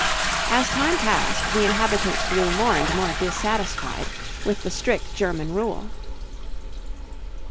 As time passed the inhabitants grew more and more dissatisfied with the strict German rule.